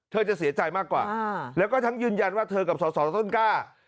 เธอจะเสียใจมากกว่าแล้วก็ทั้งยืนยันว่าเธอกับสอสอต้นกล้า